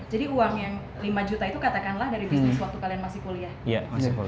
jadi uang yang lima juta itu katakanlah dari bisnis waktu kalian masih kuliah